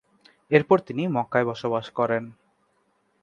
এরপর তিনি মক্কায় বসবাস করেন।